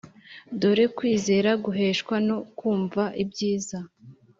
Dore kwizera guheshwa no kumva ibyiza